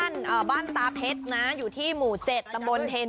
ในบ้านตาเพชรอยู่ที่หมู่เจษน์ตำบลเทรน